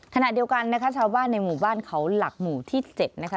ขณะเดียวกันนะคะชาวบ้านในหมู่บ้านเขาหลักหมู่ที่๗นะคะ